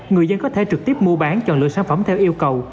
người dân có thể trực tiếp mua bán chọn lựa sản phẩm theo yêu cầu